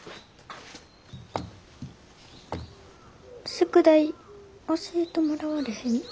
宿題教えてもらわれへん？